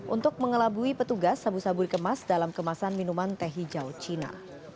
untuk mengelabui petugas sabu sabu dikemas dalam kemasan minuman teh hijau cina